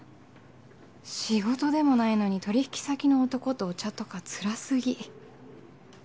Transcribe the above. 仕事でもないのに取引先の男とお茶とかつらすぎ